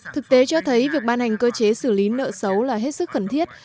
thực tế cho thấy việc ban hành cơ chế xử lý nợ xấu là hết sức cần thiết